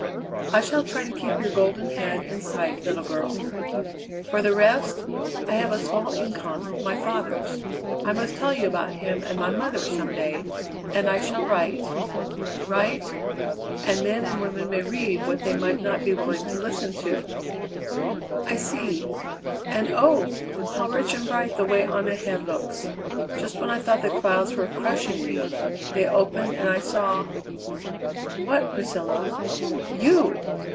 "I shall try to keep your golden head in sight, little girl! For the rest I have a small income my father's. I must tell you about him and my mother, some day; and I shall write write; and men and women may read what they might not be willing to listen to." "I see! And oh! how rich and bright the way on ahead looks! Just when I thought the clouds were crushing me, they opened and I saw " "What, Priscilla?" "You!"